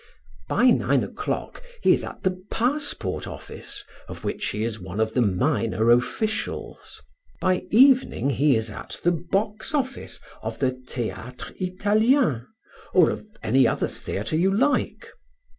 By nine o'clock he is at the passport office, of which he is one of the minor officials. By evening he is at the box office of the Theatre Italien, or of any other theatre you like.